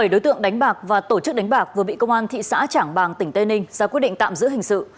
bảy đối tượng đánh bạc và tổ chức đánh bạc vừa bị công an thị xã trảng bàng tỉnh tây ninh ra quyết định tạm giữ hình sự